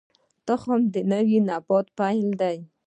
تخم د نوي نبات پیل دی